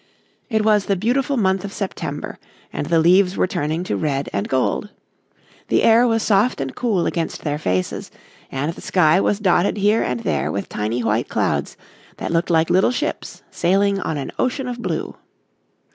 It was the beautiful month of September and the leaves were turning to red and gold. The air was soft and cool against their faces and the sky was dotted here and there with tiny white clouds that looked like little ships sailing on an ocean of blue.